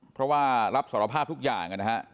เพราะว่ารับสารภาพทุกอย่างนะฮะ